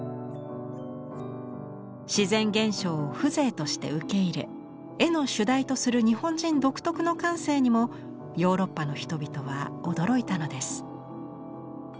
自然現象を風情として受け入れ絵の主題とする日本人独特の感性にもヨーロッパの人々は驚いたのです。